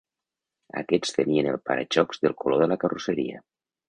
Aquests tenien el para-xocs del color de la carrosseria.